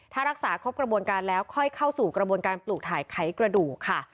ถ้ารักษาครบกระบวนการแล้วค่อยเข้าสู่กระบวนการปลูกถ่ายไขกระดูกค่ะ